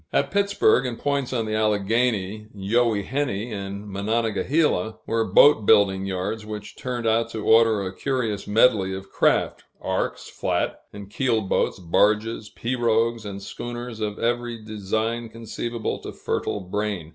At Pittsburg, and points on the Alleghany, Youghiogheny, and Monongahela, were boat building yards which turned out to order a curious medley of craft arks, flat and keel boats, barges, pirogues, and schooners of every design conceivable to fertile brain.